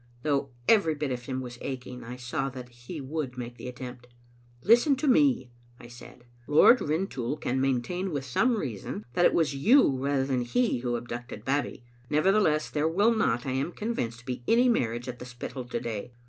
Though every bit of him was aching, I saw that he would make the attempt. " Listen to me," I said. " Lord Rintoul can maintain with some reason that it was you rather than he who abducted Babbie. Nevertheless, there will not, I am convinced, be any marriage at the Spittal to day.